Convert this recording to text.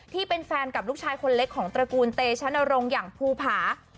ที่เป็นแฟนกับลูกชายคนเล็กของตระกูลเตชนรงค์อย่างภูผา